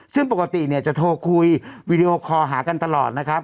ซึ่งปกติเนี่ยจะโทรคุยวีดีโอคอลหากันตลอดนะครับ